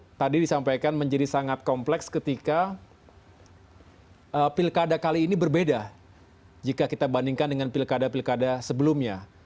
yang tadi disampaikan menjadi sangat kompleks ketika pilkada kali ini berbeda jika kita bandingkan dengan pilkada pilkada sebelumnya